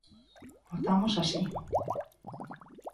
Votamos así.